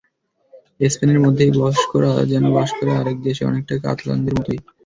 স্পেনের মধ্যেই বস্করা যেন বাস করে আরেক দেশে, অনেকটা কাতালানদের মতোই।